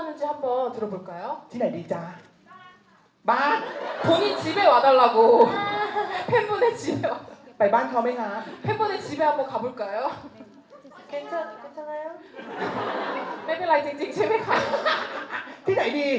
แม้เป็นอะไรเจ๋งเจ๋ง